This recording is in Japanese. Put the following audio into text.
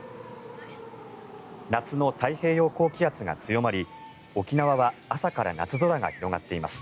夏の太平洋高気圧が強まり沖縄は朝から夏空が広がっています。